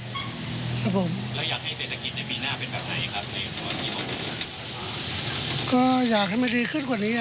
แล้วอยากให้เศรษฐกิจในปีหน้าเป็นแบบไหนครับก็อยากให้มันดีขึ้นกว่านี้อ่ะ